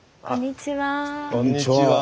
こんにちは。